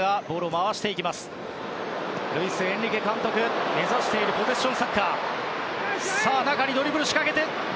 ルイス・エンリケ監督が目指しているポゼッションサッカー。